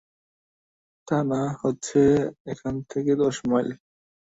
থানা হচ্ছে এখান থেকে দশ মাইল।